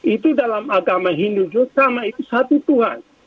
itu dalam agama hindu terutama itu satu tuhan